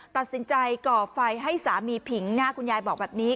ตัดสินใจก่อไฟให้สามีผิงหน้าคุณยายบอกแบบนี้